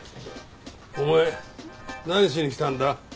お前何しに来たんだ？